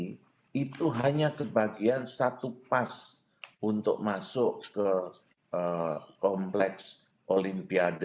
dari kbri itu hanya kebagian satu pas untuk masuk ke kompleks olimpiade atlet filipe